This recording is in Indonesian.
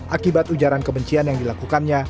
akibat ujaran kebencian yang dilakukannya